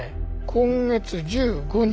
今月１５日。